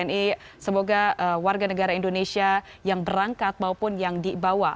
jadi semoga warga negara indonesia yang berangkat maupun yang dibawa